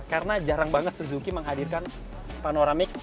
karena jarang banget suzuki menghadirkan panoramic